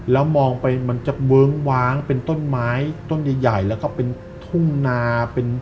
แล้วมองไปมันจะเวิ้งว้างเป็นต้นไม้ต้นใหญ่แล้วก็เป็นทุ่งนาเป็น